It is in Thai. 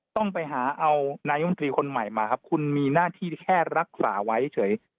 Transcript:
ต้องไปหาเอานายมนตรีคนใหม่มาครับคุณมีหน้าที่แค่รักษาไว้เฉย